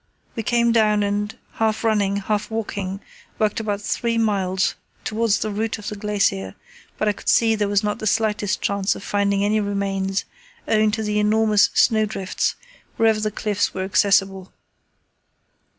We came down and, half running, half walking, worked about three miles towards the root of the glacier; but I could see there was not the slightest chance of finding any remains owing to the enormous snowdrifts wherever the cliffs were accessible.